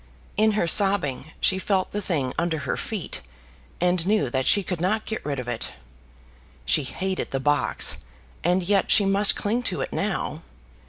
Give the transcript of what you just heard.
In her sobbing she felt the thing under her feet, and knew that she could not get rid of it. She hated the box, and yet she must cling to it now.